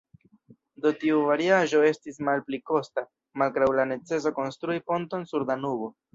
Do tiu variaĵo estis malpli kosta, malgraŭ la neceso konstrui ponton sur Danubo.